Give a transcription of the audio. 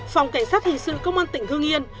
phòng cảnh sát hình sự công an tỉnh hương yên